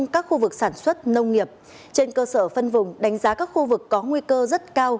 cơ sở phân vùng đánh giá các khu vực có nguy cơ rất cao